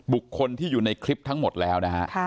บุคคลที่อยู่ในคลิปทั้งหมดแล้วนะฮะ